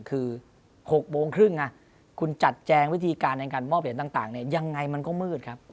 คือ๖โมงครึ่งคุณจัดแจงวิธีการในการมอบเหรียญต่างยังไงมันก็มืดครับ